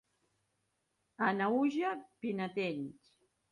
A Naüja, pinetells.